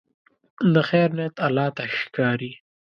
د خیر نیت الله ته ښکاري.